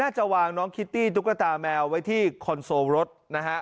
จะวางน้องคิตตี้ตุ๊กตาแมวไว้ที่คอนโซลรถนะฮะ